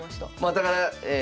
だからえ